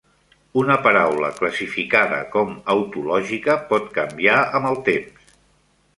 Una paraula classificada com autològica pot canviar amb el temps.